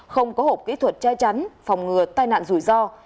không có hộp kỹ thuật che chắn phòng ngừa tai nạn rủi ro